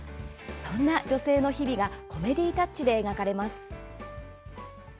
そんな女性の日々がコメディータッチで描かれます。